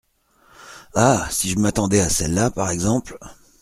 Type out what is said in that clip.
Ah ! si je m’attendais à celle-là, par exemple !